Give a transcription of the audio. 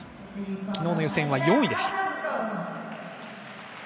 昨日の予選は４位でした。